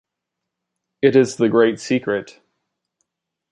It is the Great Secret.